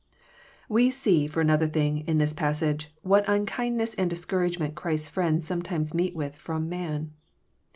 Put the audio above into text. We see, for another thing, in this passage, what unkind^ ness and discouragement Chrisfs friends sometimes meet with from man.